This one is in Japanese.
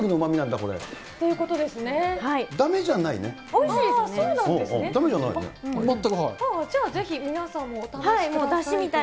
じゃあ、ぜひ、皆さんもお試しください。